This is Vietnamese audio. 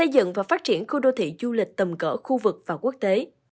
dựng và phát triển khu đô thị du lịch tầm cỡ khu vực và quốc tế